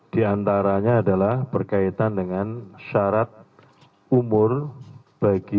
di antaranya adalah berkaitan dengan syarat umur bagi